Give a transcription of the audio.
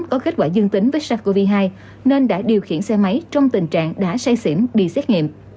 có kết quả dương tính với sars cov hai nên đã điều khiển xe máy trong tình trạng đã say xỉn đi xét nghiệm